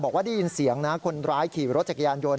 บอกว่าได้ยินเสียงนะคนร้ายขี่รถจักรยานยนต